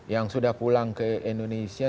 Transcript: yang sudah pulang ke indonesia